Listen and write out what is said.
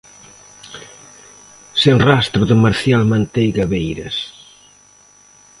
Sen rastro de Marcial Manteiga Veiras.